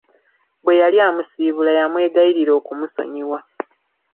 Bwe yali amusiibula yamwegayirira okumusonyiwa.